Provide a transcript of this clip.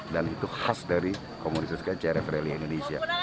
dan itu khas dari komunisasi crf rally indonesia